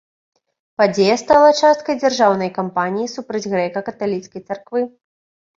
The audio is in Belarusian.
Падзея стала часткай дзяржаўнай кампаніі супраць грэка-каталіцкай царквы.